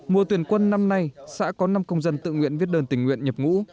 mùa tuyển quân năm nay xã có năm công dân tự nguyện viết đơn tình nguyện nhập ngũ